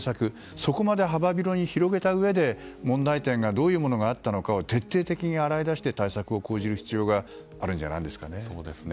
そこまで幅広に広げたうえで問題点がどういうものがあったのかを徹底的に洗い出して対策を講じる必要があるんじゃないですかね。